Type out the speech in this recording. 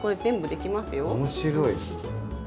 面白い。